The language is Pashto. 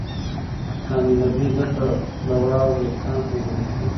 د حاملګي ضد دوا وریښتان کمزوري کوي.